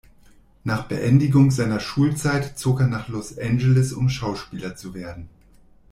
Nach Beendigung seiner Schulzeit zog er nach Los Angeles, um Schauspieler zu werden.